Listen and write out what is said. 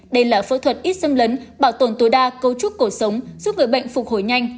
đây là phẫu thuật ít xâm lấn bảo tồn tối đa cấu trúc cổ sống giúp người bệnh phục hồi nhanh